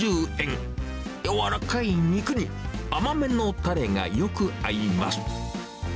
柔らかい肉に、甘めのタレがよく合います。